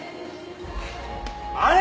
あれ？